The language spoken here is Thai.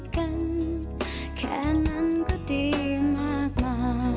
ขออนุญาตนะคะพี่อึ้งนะคะ